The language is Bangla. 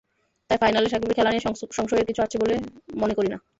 তাই ফাইনালে সাকিবের খেলা নিয়ে সংশয়ের কিছু আছে বলে মনে করি না।